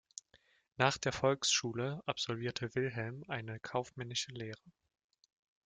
Nach der Volksschule absolvierte Wilhelm eine kaufmännische Lehre.